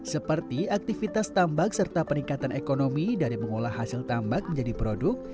seperti aktivitas tambak serta peningkatan ekonomi dari mengolah hasil tambak menjadi produk